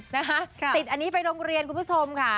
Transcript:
นะคะติดอันนี้ไปโรงเรียนคุณผู้ชมค่ะ